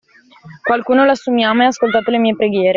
Qualcuno lassù mi ama e ha ascoltato le mie preghiere.